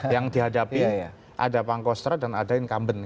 yang dihadapi ada pangkostra dan ada inkamben